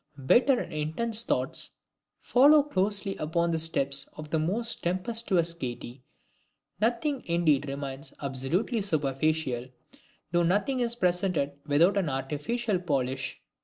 Bitter and intense thought follows closely upon the steps of the most tempestuous gayety; nothing indeed remains absolutely superficial, though nothing is presented without an artificial polish.